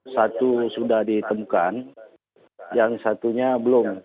satu sudah ditemukan yang satunya belum